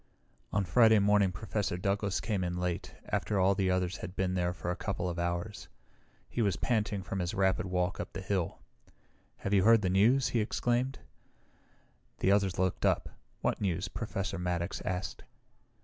On Friday morning Professor Douglas came in late, after all the others had been there for a couple of hours. He was panting from his rapid walk up the hill. "Have you heard the news?" he exclaimed. The others looked up. "What news?" Professor Maddox asked.